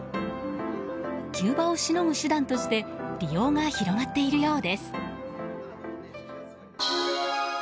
急場をしのぐ手段として利用が広がっているようです。